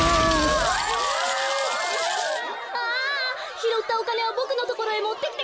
ひろったおかねはボクのところへもってきてください！